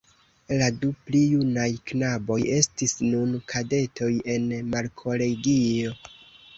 La du pli junaj knaboj estis nun kadetoj en markolegio.